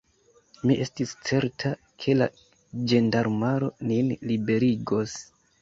Mi estis certa, ke la ĝendarmaro nin liberigos.